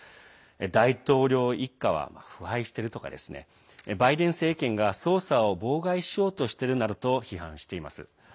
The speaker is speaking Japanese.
大統領一家は腐敗してるとかバイデン政権が捜査を妨害しようとしているなどと批判しています。